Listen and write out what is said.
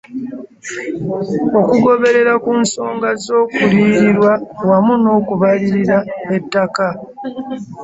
Okugoberera ku nsonga z'okuliyirirwa wamu n'okubalirira ettaka